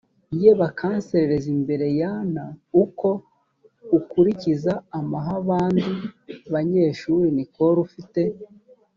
ye bakanserereza imbere y an uko ukurikiza amahabandi banyeshuri nicole ufite